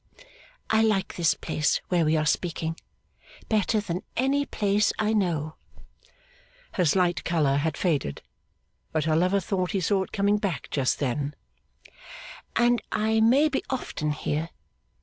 I like this place where we are speaking better than any place I know;' her slight colour had faded, but her lover thought he saw it coming back just then; 'and I may be often here.